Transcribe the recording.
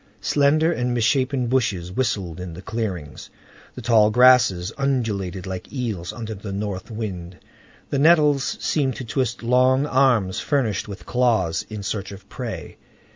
Slender and misshapen bushes whistled in the clearings. The tall grasses undulated like eels under the north wind. The nettles seemed to twist long arms furnished with claws in search of prey.